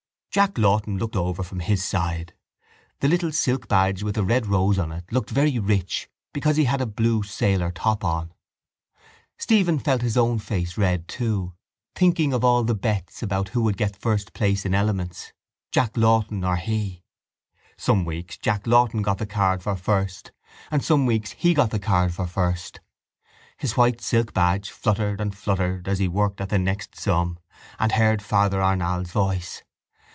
Jack Lawton looked over from his side. The little silk badge with the red rose on it looked very rich because he had a blue sailor top on. Stephen felt his own face red too, thinking of all the bets about who would get first place in elements, Jack Lawton or he. Some weeks Jack Lawton got the card for first and some weeks he got the card for first. His white silk badge fluttered and fluttered as he worked at the next sum and heard Father Arnall's voice.